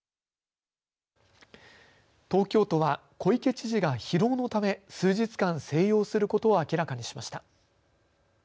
東京都は小池知事が疲労のため数日間静養することを明らかにしました。